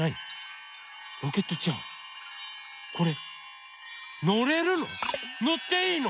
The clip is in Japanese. ロケットちゃんこれのれるの？